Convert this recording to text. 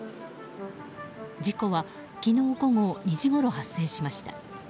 事故は昨日午後２時ごろ発生しました。